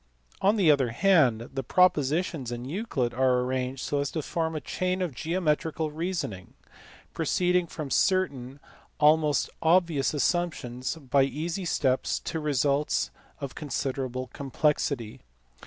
On the other hand, the propositions in Euclid are arranged so as to form a chain of geometrical reasoning, proceeding from certain almost obvious assumptions by easy steps to results of considerable complexity.